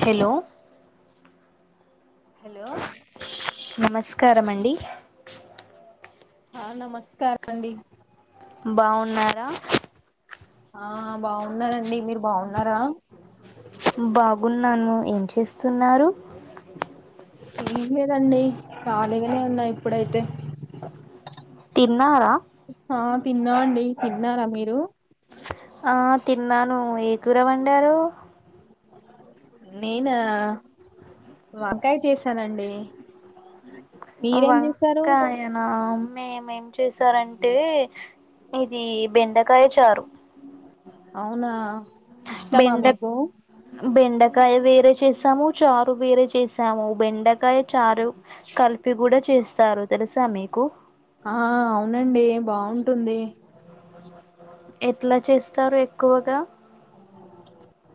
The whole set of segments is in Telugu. హలో నమస్కారమండి ఆ నమస్కారం అండి బావున్నారా ఆ బావున్నానండి మీరు బావున్నారా బాగున్నాను ఏం చేస్తున్నారు ఏమ్ లేదండి కాలిగానే అన్నా ఇప్పుడైతే తిన్నారా ఆ తిన్నాండి తిన్నారా మీరు ఆ తిన్నాను ఏ కూర వండారూ నేనా వంకాయ చేసానండి వంకాయ నా మేమ్ మే ఏం చేశారంటే ఇది బెండకాయ చారు అవునా ఇష్టమా బెండ మీకు బెండకాయ వేప్ రే చేసాము చారు వేరే చేసాము బెండకాయ చారు కలిపి కూడా చేస్ స్తారు తెలుసా మీకు ఆ.. అవునండి బావుంటుంది ఎట్లా చేస్తారు ఎక్కువగా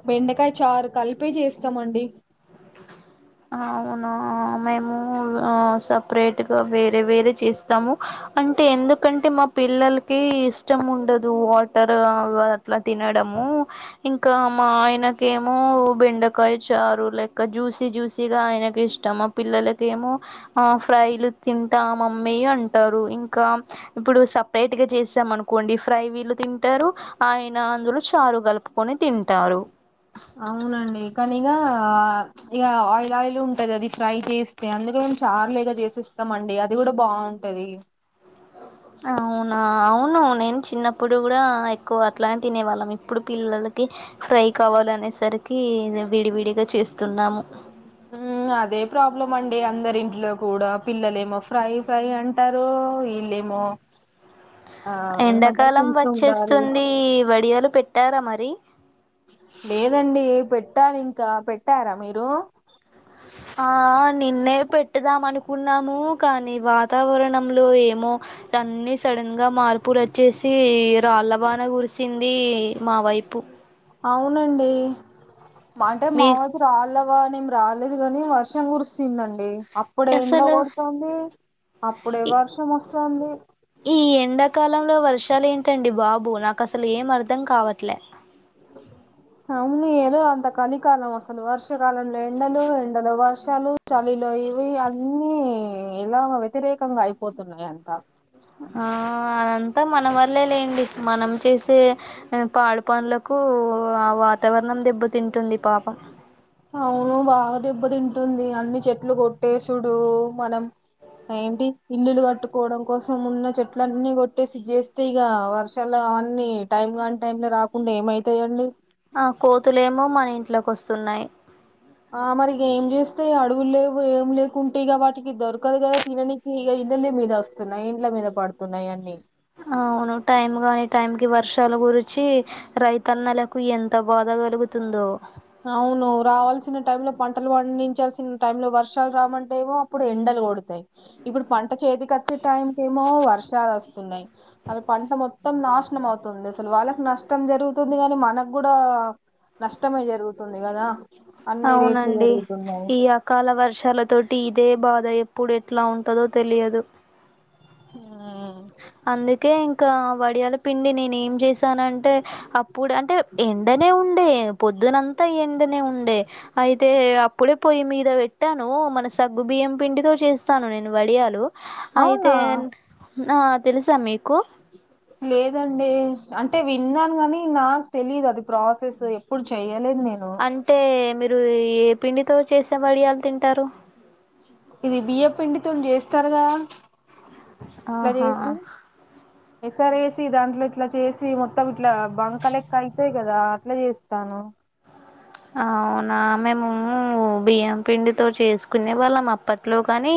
బెండకాయ చారు కలిపి చేస్తామండి అవునా మేము సెపరేట్ గ వేరే వేరే చేస్తాము అంటే ఎందుకంటే మా పిల్లలకి ఇష్టం ఉండదు వాటర్ ఆగ అట్లా తినడం ము ఇంకా మా ఆయనకేమో బెండకాయ చారు లె జూసీ జూసీగా ఆయనకి ఇష్టం మా పిల్లలకేమో ఆ ఫ్రైలు తింటా మమ్మీ ఎ అంటారు ఇంకా సెపరేట్ గ చేసామనుకోండి ఫ్రై వీళ్ళు తింటారు ఆ అయిన అందులో చారు కలుపుకొని తింటారు అవునండి కానీగా ఇక ఆయిల్ ఆయిల్ ఉంటది అది ఫ్రై చేస్తే అందుకే చార్లేగా చేసిస్తామండి అది కూడ బాగుంటది అవు అవునా అవును నేను చిన్నప్పుడు కూడా ఎక్కువ అట్లానే తినే వాళ్ళం ఇప్పుడు పిల్లలకి ఫ్రై కావాలనేసరికి విడివిడిగా చేస్తున్నాము అదే ప్రాబ్లం అండి అందరింట్లో కూడ పిల్లలేమో ఫ్రై ఫ్రై అంటారు ఉమ్ ఇల్లేమో ఎండాకాలం ఉండాలి వచ్చేస్తుంది వడియాలు పెట్టారా మరి లేదండి పెట్టాలి ఇంక పెట్టార మీరు అ ఆ నిన్నే పెట్టుదాం అనుకున్నాము కానీ వాతావరణంలో ఏ మో అన్నీ సడన్గా మార్పులు వచ్చేసి రాళ్ల వాన గురిసి ది మా వైపు అవునండి అంటే మా మీ వైపు రాళ్ళ అబా నేం రాలేదు గాని వర్షం కురిస్తుందండి అప్పుడ ఎంండ అసలు కొడుతోంది అప్పుడే ఈ వర్షం వస్తుంది ఈ ఎండాకాలంలో వర్షాలు ఏంటండి బాబు నాకు అసలేం అర్ధం కావట్లే అవును ఏదో అంత కలికాలం అసలు వర్షాకాలంలో ఎండలు ఎండలో వర్షాలు చలిలో ఇవి అన్నీ ఇలా వ్యతిరేకంగా అయిపోతున్నాయి అంతా ఆ అన్ అంత మన వల్లే లేండి మనం చేసే పాడు పనులకూ ఆ వాతావరణం దెబ్బ తింటుంది అవును వాదు దెబ్బ తింటుంది అన్ని చెట్లు కొట్టేసుడు మనం ఏంటి ఇల్లులు కట్టుకోవడం కోసం ఉన్న చెట్లన్నీ కొట్టేసి చేస్తే ఇగ వర్షాలు అవన్నీ టైమ్ కానీ టైం లో రాకుంటె ఏమైతాదండి ఆ కోతులేమో మన ఇంట్లకొస్తున్నాయి ఆ మరి ఏం చేస్తయి అడవుల్ లేవు ఏం లేకుంటే ఇక వాటికి దొరకదు కదా తిననీకి ఇ ఇల్లలి మీద వస్తున్నాయి ఇండ్ల మీద పడుతున్నాయి అన్నీ అవును టైమ్ గాని టైమ్ కి వర్షాల గురిచి రైతన్నలకు ఎంత ఎంత బాధగలుగుతుందో అవును రావాల్సిన టైమ్లో పంటలు పండించాల్సిన టైం లో వర్షాలు రామంటేమో అప్పుడు ఎండలు కొడతాయి ఇప్పుడు పంట చేతికొచ్చే టైమ్ కేమో వర్షాలు వస్తున్నాయి అవి పంట మొత్తం నాశనం అవుతుంది అసలు వాళ్ళకి నష్టం జరుగుతుంది గాని మనకు కూడ నష్టమే జరుగుత తుంది కదా అవునండి పెరుగుతున్నాయి ఈ అకాల వర్షాల తోటి అదే బాధ ఎప్పుడు ఎట్లా ఉంటదో తెలియదు ఉమ్. అందుకే ఇంకా వడియాల పిండి నేనేం చేశానంటే అప్పుడు అంటే ఎండనే ఉండే పొద్దునంతా ఎండ నె ఉండె అయితే అప్పుడే పోయి మీద పెట్ట నేను మన సగ్గు బియ్యం పిండితో చేస్తాను నేను వడియాలు అయితే అవునా ఆ తెలుస మీక్ లేదండి అంటే విన్నాను కానీ నాక్ తెలీదు అది ప్రాసెస్ ఎప్పుడు చెయలేదు నేను అంటే మీరు ఏ పిండితో చేసే వడియల్ తింటారు ఇవి బియ్య పిండితో చేస్తారు కదా ఆహ పెసర్ వేసి దాంట్లో ఇట్లా చేసి మొత్తం ఇట్లా బంక లెక్క అవుతాయి కదా అట్లా చేస్తాను అవ్ అవునా మేము బియ్యం పిండితో చేసుకునే వాళ్ళం అప్పట్లోగని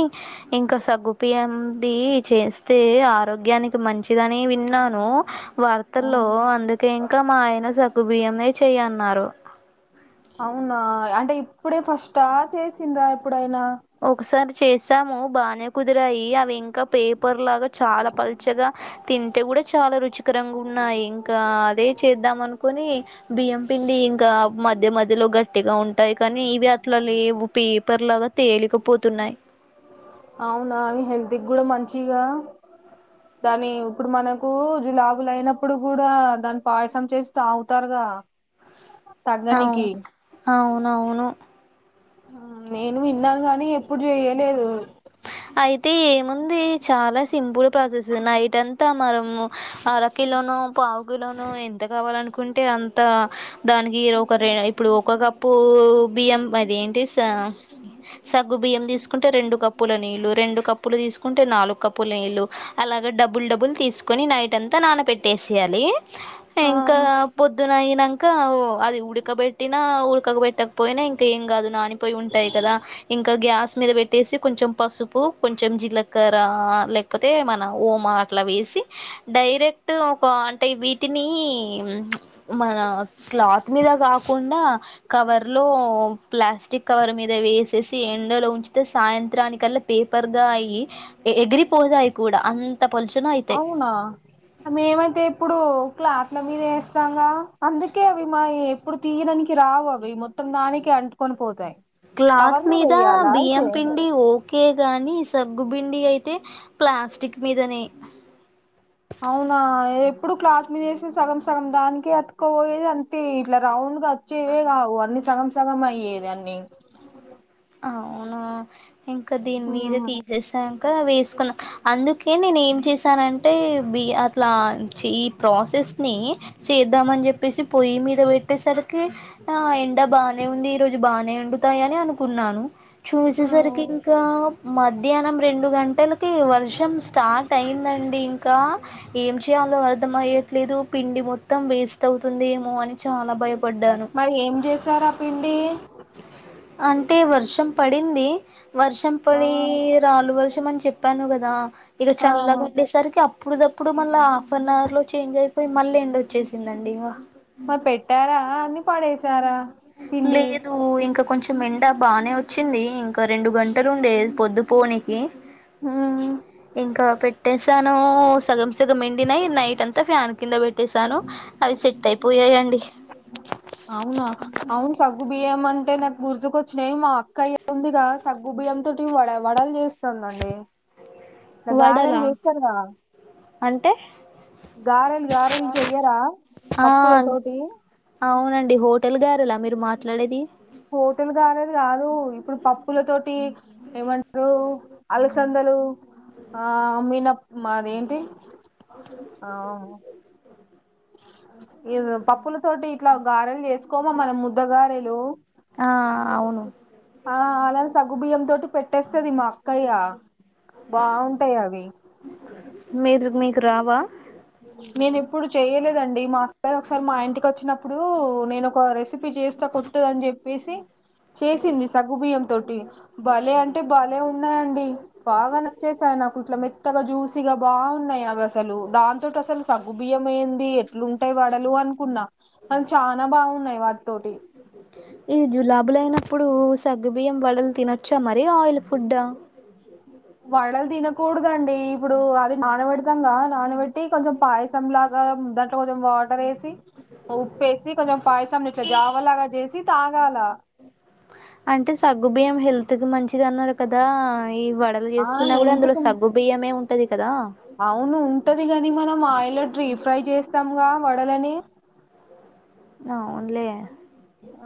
ఇంకా సగ్గుబీయం ది చేస్తే ఆరోగ్యానికి మంచిదని విన్నాను ఆ వార్తల్లో అందుకే ఇంకా మా ఆయన సగుబియ్యమే చెయి అన్నారు అవునా అంటే ఇప్పుడే ఫస్ట్ చేసిందా ఎప్పుడైనా ఒకసారి చేసాము బానే కుదిరాయి అవి ఇంకా పేపర్ లాగా చాలా పల్చగా తింటే కూడా చాలా రుచికరంగా ఉన్నాయి ఇంకా అదే చేద్దాం అనుకుని బియ్యం పిండి ఇంకా మధ్య మధ్యలో గట్టిగా ఉంటాయి కానీ ఇవి అట్లా లేవు పేపర్ లాగా తేలికపోతున్నాయి అవునా హెల్ది కూడా మంచిగా దాని ఇప్పుడు మనకు జులాబులు అయినప్పుడు కూడా దాన్ని పాయసం చేస్తాగుతారుగా అవు అవువును అవును నేను విన్నాను గానీ ఎప్పుడు చేయలేదు అయితే ఏముంది చాలా సింపుల్ ప్రాసెస్ నైట్ అంతా మనము అర కిలోనో పావు కిలోనో ఎంత కావాలనుకుంటే అంతా దానికి ఒక ర ఇప్పుడు ఒక కప్పు బియ్యం అది తిసా సగ్గు బియ్యం తీసుకుంటే రెండు కప్పు పోలా నీళ్ళలు రెండు కప్పులు తీసుకుంటే నాలుగు కప్పు నీళ్లుు అలాగా డబుల్ డబుల్ తీసుకుని నైట్ అంతా నానబెట్టేసీయాలి ఇంకా ఆ పొద్దు అయినంకా అది ఉడకబెటినా ఉడకకుబట్టకపోయినా ఇంకా ఏం కాదు నానిపోయి ఉంటాయి కదా ఇంకా గ్యాస్ మీద పెట్టేసి కొంచెం పసుపు కొంచె జీలకర్ర లేకపోతే మన ఉమా అట్లా వేసి డైరెక్ట్ ఒక అంటే వీటిని మన క్లాత్ మీద కాకుం డా కవర్ లో ప్లాస్టిక్ కవర్ మీద వేసేసి ఎండలో ఉంచితే సాయం మత్రనికల్లా పేపర్గాయి ఎగిరిపోదాయి కూడా అంత పలుచగా అయితాయి అవునా మేమైతే ఎప్పుడు క్లాత్ మీద వేస్తాంగా అందుకే అవి మా ఎప్పుడు తీయడానికి రావు అవి మొత్తం దానికి పట్టుకొని పోతాయి క్లాత్ కవర్ మీద వేయాలా బియ్యం అయితే పిండి ఓ కె గాని సగ్గుబిండి అయితే ప్లాస్టిక్ మీదనే అవునా ఏ ఎప్పుడు క్లాత్ మీద ఎసి సగం సగం దానికి అతకుపోయేది అంటే ఇట్లా రౌండ్ వచ్చేవే కావు అన్ని సగం సగం అయ్యేది అన్ని అవునా ఇంకా దీని మీద తీసేసావు కాదా వేసుకున్నా అందుకే ఏ నేను ఏం చేశానంటే బి అట్లా ఈ ప్రాసెస్ ని చేద్దామని చెప్పేసి పొయ్యి మీద పెట్టేసరికి ఆ ద బాగానే ఉంది ఈ రోజు బాగానే అండుతాయి అని అనుకున్నాను ఆ, చూసేసరికి ఇంకా మధ్యాహ్నం రెండు గంటలకి వర్షం స్టార్ట్ అయింద అండి ఇంకా ఏం చేయాలో అర్థం అయ్యట్లేదు పిండి మొత్తం వేస్ట్ అవుతుంది ఏమో అని చాలా భయప మరి ఏం చేశార ఆ పిండి అంటే వర్షం పడింది వర్షం ఆ పడి రాలు వర్షం తెమ్మని చెప్పాను కదా ఈరొజు ఆ చల్లగా ఉండేసరికి అప్పుడుప్పుడు ఇప్పుడు మళ్ళా హాఫ్ అన్ అవర్ లో చేంజ్ అయిపోయి మళ్ళీ ఎండ్ వచ్చేసిందండి ఇకా పడేశారా లేదు ఇంకా కొంచెం ఎండా బానే వచ్చింది ఇంకా రెండు గంటలు ఉండే పొద్దు పోనికి ఉమ్ ఇంకా పెట్టేసి తను సగం సగం ఎండినయి నైట్ అంతా ఫ్యాన్ కింద పెట్టేసాను అవి సెట్ అయిపోయాయిండి అ అవునా అవును సగ్గు బియ్యం అంటే నాకు గుర్తుకొచ్చినాయి మా అక్కయ ఉందిగా సగ్గు బియ్యం సగ్గుబియ్యం వడలు వడలు చేస్తే అదే అండి గారెలు వడలా చేస్తాగ అంటే గారెలు గారెలు చెయ్యరా పప్పుల తోటి మీ హోటల్ గారలా మీరు మాట్లాడేది హోటల్ గారెలు కాదు ఇప్పుడు పప్పుల తోటి ఏమంటారు అలసందలు ఆ మినప్ప మా ఏంటిది ఏద పప్పుల తోటి ఇట్లా గారెలు వసుకోమా మనం ముద్ద గారెలు ఆ అవును ఆ అలాని సగుబియ్యం తోటి పెట్టేస్త వస్తుది మా అక్కయ్యా బాగుంటాయి అవి మీరు మీకు రావా మేను ఇప్పుడు చెయలేదండి మా అక్క ఒకసారి మా ఇంటికి వచ్చినప్పుడు నేను ఒక రెసిపీ చేస్తా కొట్టదని చెప్ప చెప్పేసి చేసింది సగుబియ్యం తోటి బలే అంటే బలే ఉన్నాయండి బాగా నచ్చేసాయి నాకు ఇట్లా మెత్తగా జూసిగా ఎంత బాగున్నాయి అవి అసలు ఏంది అసలు సగుబియ్యం ఏంది ఎట్లుంటాయి వడలు అనుకున్నా అని చాలా బాగున్నాయి వాటి ఈ జులాబులు అయినప్పుడు సగ్గుబియ్యం వడలు తినొచ్చు మరీ ఆయిల్ ఫుడ్ డా వడలు తినకూడదండి ఇప్పుడు అది నానబెడతాంగా నానబెట్టి కొంచెం పాయసం లాగా దాంట్లో కొంచం వాటర్ ఏసి ఉప్పేసి కొంచెం పాయసం కొంచెం జావలాగా చేసి తాగాల అంటే సగ్గు బియ్యం హెల్త్ కి మంచిది అన్నారు కదా ఈ వడలు ఆ చేసుకున్నా కూడా హెల్త్ అందులో కు సగ్గుబియ్యమే ఉంట అవును ఉంటది గాని మనం ఆయిల్ డీప్ ఫ్రై చేస్తాం వడలని అవునులే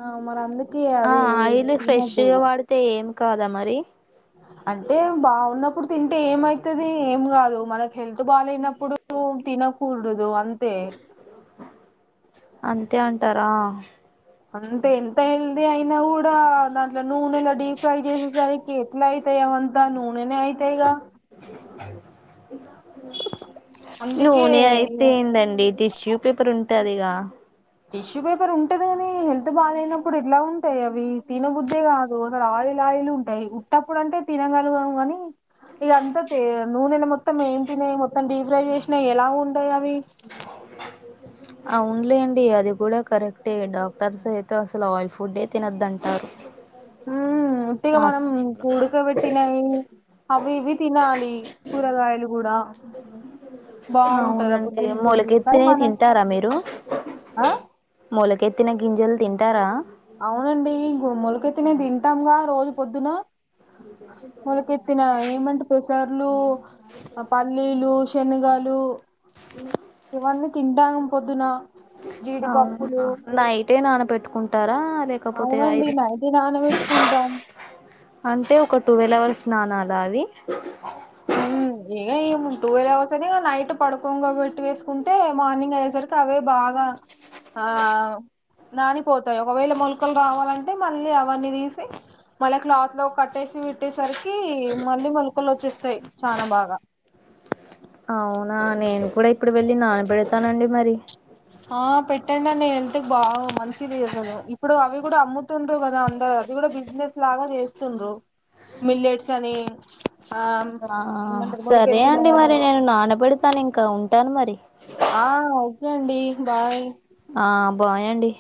ఆ మరి అందుకే ఆ అది ఆయిలు ఫ్రెష్ తినద్దు గా వాడితే ఏం కాదా మరి అంటే బాగున్నప్పుడు తింటే ఏమవుతుది ఏం కాదు మనకి హెల్త్ బాగానప్పుడు తినకూడదు అంత అంతే అంటారా అంతే ఎంత అయిల్ అ అయినా కూడా దాంట్లో నూనెలో డీప్ ఫ్రై చేసేసరికి ఎట్ల అయితాయి అంతా నూనె అయి అంతేగా టీవీ సౌండ్ అందుకే నూనె ఇగ అయితే ఎందండి టిష్యూ పేపర్ ఉంటుదిగా టిష్యూ పేపర్ ఉంటది కా గాని హెల్త్ బాగానప్పుడు ఎట్లా ఉంటాయి అవి తినబుద్ కాదు అసలు అయిల్ అయిల్ ఉంటాయి ఉట్టప్పుడు అంటే తినగలుగాము కాని అంతా నూనెలో మొత్తం ఏంపినయి మొత్తం డీప్ ఫ్రై చేసినాయి ఎలా ఉంటాయి అవి అవునూలెండి అది కూడా కరెక్టే డాక్టర్స్ అయితే అసలు ఆయిల్ ఫుడ్ తినద్దంటారు ఉ ఉట్టిగా మనం ఉడుకబెట్టినాయి అవి ఇవి తినాలి కూరగాయలు కూడా బాగుంటది అప్పుడు అవునండి హెల్త్ కి కానీ మొలకెత్తినవి మనం తింటారా ఆ ఎత్తిన గింజలు తింటారా తిన తింటాం రోజు పొద్దున మొలకెత్తిన ఏమంటే పెసలు పెసలు పల్లీలు శనగాలు ఇవన్నీ తింటాం పొద్దున జీడిపప్పులు అవునా నైటే నాన పెట్టుకుంటారా లేకపోతే అవునండి ఐదింటి నైట్ నానబెట్టుకుంటాం అంటే ఒక టువెల్ అవర్స్ నానాల అవి ఉమ్ ఇక ట్వంల్ హౌర్స్ అనే కాదు నైట్ పడుకోము కాబట్టి అట్టు వేసుకుంటే మార్నింగ్ అయ్యేసరికి అవే బాగా ఆ నానిపోతాయి ఒకవేళ మొలకలు రావాలంటే మళ్ళీ అవన్నీ తీసి మళ్ళీ క్లాత్ లో కట్టేసి పెట్టేసరికి మళ్ళీ మలకలు వచ్చేస్తాయి చానా బాగా అవునా నేను కూడా ఇప్పుడు వెళ్ళి నాన పెడతానండి మరి ఆ పెట్టండి అండి హెల్త్కి బాగా మంచిది అసలు ఇప్పుడు అవి కూడా అమ్ముతుండ్ర కదా అందరు అవి కూడా బిజినెస్ లాగా చేస్తుండ్రు మిల్లెట్స్ అని ఆ ఆ ఏమంటారు సరే అండి మొలకెత్తినవన్నీ మరి నేను నానబెడతాను ఇంకా ఉంటాను మరి ఆ ఓకే అండి బాయ్ ఆ బాయ్ అండి